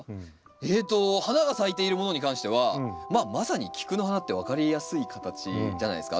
えと花が咲いているものに関してはまあまさにキクの花って分かりやすい形じゃないですか。